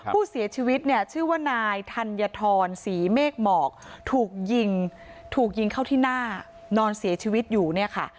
ผู้เสียชีวิตเนี่ยชื่อว่านายธัญฑรศรีเมฆหมอกถูกยิงถูกยิงเข้าที่หน้านอนเสียชีวิตอยู่เนี่ยค่ะ